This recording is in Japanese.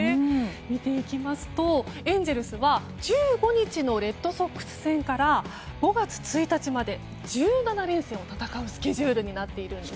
見ていきますと、エンゼルスは１５日のレッドソックス戦から５月１日まで１７連戦を戦うスケジュールになっているんです。